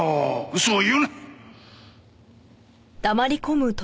嘘を言うな！